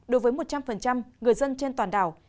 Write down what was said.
đối với một trăm linh người dân trên toàn đảo